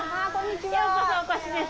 ようこそお越しです。